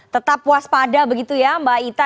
tetap puas pada begitu ya mbak ita